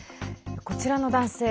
こちらの男性。